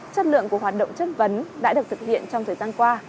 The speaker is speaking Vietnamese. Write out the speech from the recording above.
chất lượng của hoạt động chất vấn đã được thực hiện trong thời gian qua